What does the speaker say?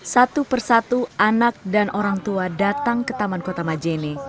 satu persatu anak dan orang tua datang ke taman kota majene